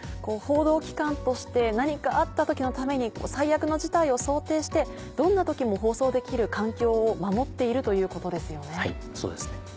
報道機関として何かあった時のために最悪の事態を想定してどんな時も放送できる環境を守っているということですよね。